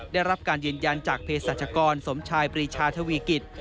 ได้รับการยืนยันจากเพศรัชกรสมชายปรีชาทวีกิจ